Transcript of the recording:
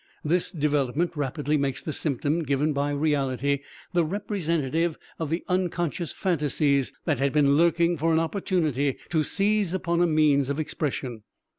This development rapidly makes the symptom given by reality the representative of the unconscious phantasies that had been lurking for an opportunity to seize upon a means of expression.